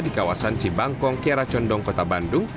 di kawasan cibangkong kiaracondong kota bandung